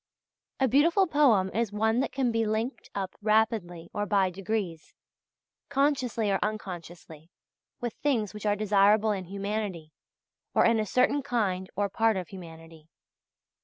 A beautiful poem is one that can be linked up rapidly or by degrees, consciously or unconsciously, with things which are desirable in humanity, or in a certain kind or part of humanity.